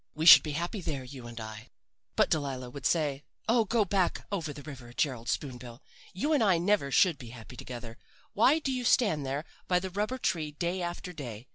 We should be happy there, you and I.' "But Delilah would say: 'Oh, go back over the river, Gerald Spoon bill! You and I never should be happy together. Why do you stand there by the rubber tree day after day?